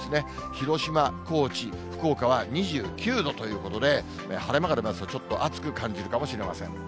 広島、高知、福岡は２９度ということで、晴れ間が出ますと、ちょっと暑く感じるかもしれません。